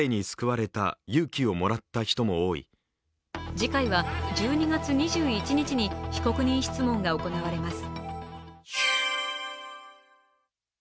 次回は１２月２１日に被告人質問が行われます。